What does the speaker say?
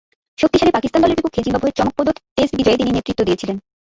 শক্তিশালী পাকিস্তান দলের বিপক্ষে জিম্বাবুয়ের চমকপ্রদ টেস্ট বিজয়ে তিনি নেতৃত্ব দিয়েছিলেন।